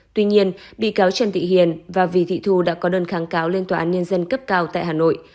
tuy nhiên bị cáo trần thị hiền và vì thị thu đã có đơn kháng cáo lên tòa án nhân dân cấp cao tại hà nội